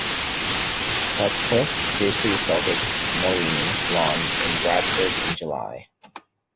Sutcliffe seriously assaulted Maureen Long in Bradford in July.